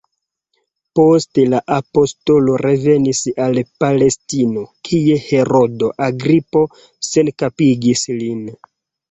Poste la apostolo revenis al Palestino, kie Herodo Agripo senkapigis lin.